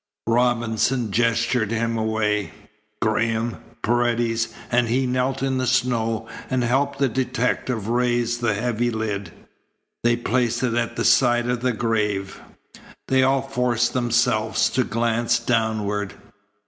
Robinson gestured him away. Graham, Paredes, and he knelt in the snow and helped the detective raise the heavy lid. They placed it at the side of the grave. They all forced themselves to glance downward.